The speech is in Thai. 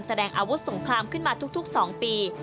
แสดงอาวุธสงครามขึ้นมาทุก๒ปี